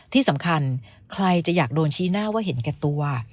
ที่สำคัญใครจะอยากโดนชี้หน้าว่าเห็นแก่ตัว